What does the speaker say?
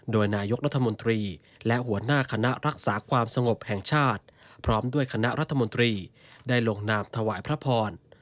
โดยนายกรัฐมนตรีและหัวหน้าคณะรักษาความสงบแห่งชาติพร้อมด้วยคณะรัฐมนตรีได้ลงนามถวายพระพร